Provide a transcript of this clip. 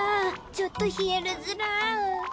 ちょっと冷えるズラ。